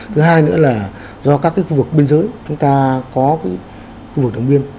thứ hai nữa là do các khu vực biên giới chúng ta có khu vực đồng biên